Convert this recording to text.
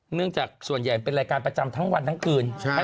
เนื่องจากส่วนใหญ่เป็นรายการประจำทั้งวันทั้งคืน